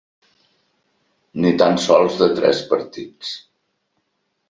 Ni tant sols de tres partits.